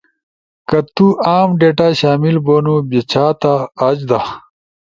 کہ تو عاام ڈیٹا شامل بونو بیچھاتا، آج دا